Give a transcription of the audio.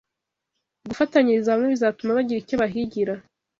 gufatanyiriza hamwe bizatuma bagira icyo bahigira